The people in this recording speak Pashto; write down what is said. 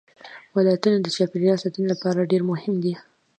ولایتونه د چاپیریال ساتنې لپاره ډېر مهم دي.